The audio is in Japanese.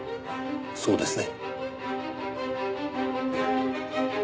そうですね？